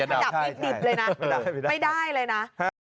ถ้าดับนี่ดิบเลยนะไม่ได้เลยนะ